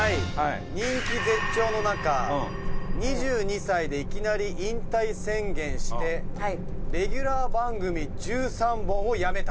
人気絶頂の中２２歳でいきなり引退宣言してレギュラー番組１３本をやめた？